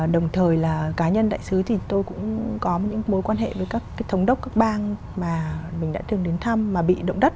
đồng thời là cá nhân đại sứ thì tôi cũng có những mối quan hệ với các cái thống đốc các bang mà mình đã từng đến thăm mà bị động đất